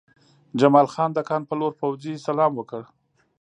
جمال خان د کان په لور پوځي سلام وکړ